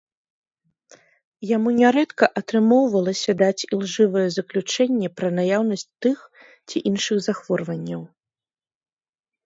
Яму нярэдка атрымоўвалася даць ілжывае заключэнне пра наяўнасць тых ці іншых захворванняў.